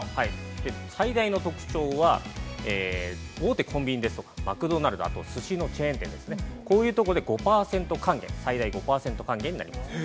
最大の特徴は、大手コンビニですとかマクドナルド、すしのチェーン店ですね、こういうところで５％還元、最大５％還元になります。